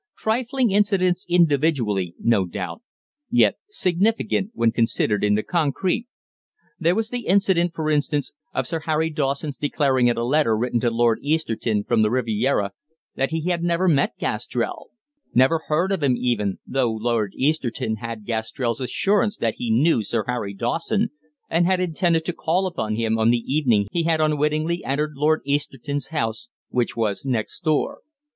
Trifling incidents individually, no doubt, yet significant when considered in the concrete. There was the incident, for instance, of Sir Harry Dawson's declaring in a letter written to Lord Easterton from the Riviera that he had never met Gastrell, never heard of him even, though Lord Easterton had Gastrell's assurance that he knew Sir Harry Dawson and had intended to call upon him on the evening he had unwittingly entered Lord Easterton's house, which was next door.